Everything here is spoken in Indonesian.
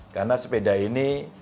karena sepeda ini